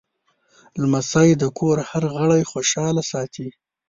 لمسی د کور هر غړی خوشحال ساتي.